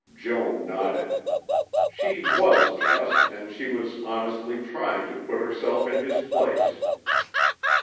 Joan nodded. She was just and she was honestly trying to put herself in his place.